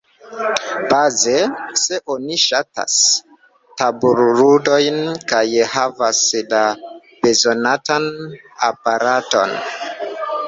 Baze, se oni ŝatas tabulludojn kaj havas la bezonatan aparaton.